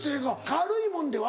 軽いもんでは？